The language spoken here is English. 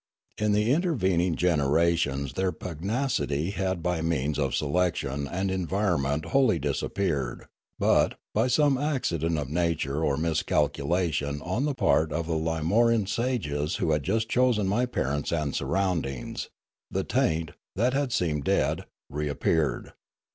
In the intervening generations their pugnacity had by means of selection and environ ment wholly disappeared ; but, by some accident of nature or miscalculation on the part of the lyimanoran sages who had chosen my parents and surroundings, the taint, that had seemed dead, reappeared.